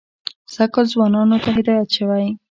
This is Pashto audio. سږ کال ځوانانو ته هدایت شوی.